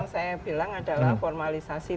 saya bilang adalah formalisasi